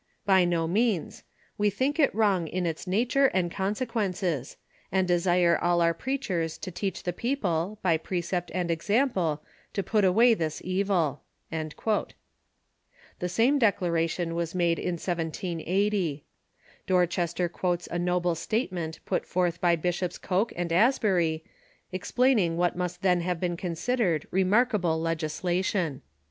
By no means ; we think it wrong in its nature and consequences ; and desire all our preachers to teach the people, by precept and example, to put away this evil." The same declaration was made in 1780. Dorchester quotes a noble statement put forth by Bishops Coke and Asbury, explaining what must then have been considered remarkable legislation.